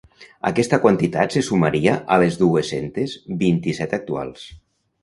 Aquesta quantitat se sumaria a les dues-centes vint-i-set actuals.